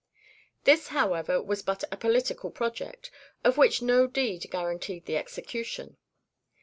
This, however, was but a political project, of which no deed guaranteed the execution.